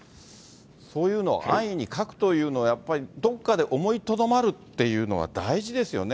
そういうの安易に書くというのは、やっぱりどっかで思いとどまるっていうのは大事ですよね。